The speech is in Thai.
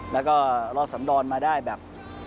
แล้วก็รอดสำดอนมาได้แบบ